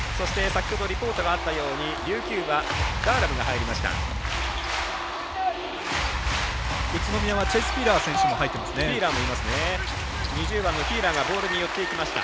先ほどリポートがあったように琉球は、ダーラムが入りました。